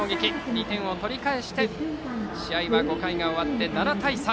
２点を取り返して試合は５回が終わって７対３。